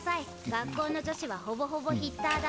学校の女子はほぼほぼヒッターだって！